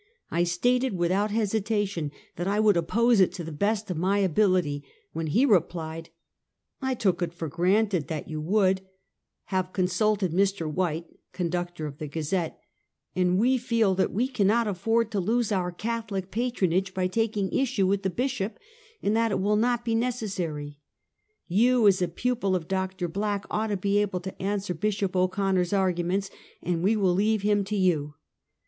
I stated, without hesitation, that I would oppose it to the best of my ability, when he replied :" I took it for granted that you would, have con sulted Mr. White (conductor of the Gazette)^ and we feel that we cannot afford to lose our Catholic patron age by taking issue with the Bishop, and that it will not be necessary. You, as a pupil of Dr. Black, ought to be able to answer Bishop O'Conner's arguments, and we will leave him to you.